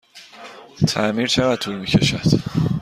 تعمیر چقدر طول می کشد؟